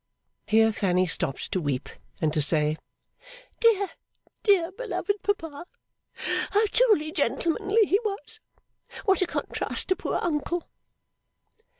Here Fanny stopped to weep, and to say, 'Dear, dear, beloved papa! How truly gentlemanly he was! What a contrast to poor uncle!